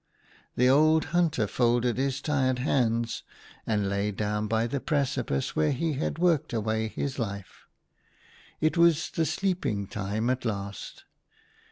The old hunter folded his tired hands and lay down by the precipice where he had worked away his life. It was the sleeping time at last.